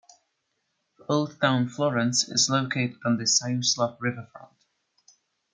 Old Town Florence is located on the Siuslaw riverfront.